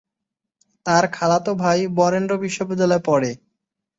তার খালাতো ভাই বরেন্দ্র বিশ্ববিদ্যালয়ে পড়ে।